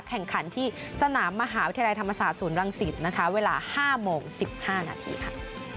แข่งขันที่สนามมหาวิทยาลัยธรรมศาสตร์ศูนย์รังสิตนะคะเวลา๕โมง๑๕นาทีค่ะ